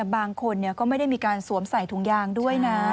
บางคนก็ไม่ได้มีการสวมใส่ถุงยางด้วยนะ